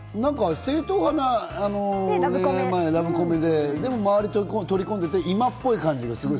正統派なラブコメで、でも周りを取り込んでいて今っぽい感じがする。